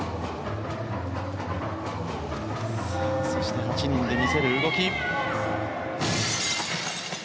そして８人で見せる動き。